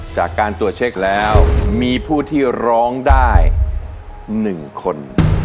จากการตรวจเช็คแล้วมีผู้ที่ร้องได้๑คน